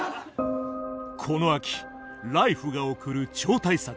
この秋「ＬＩＦＥ！」が送る超大作